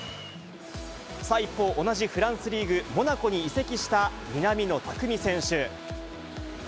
さあ、一方同じフランスリーグ・モナコに移籍した南野拓実選手。